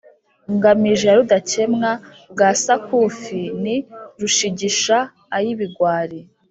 Ngamije ya Rudakemwa rwa Sakufi ni Rushigisha-ay‘ibigwari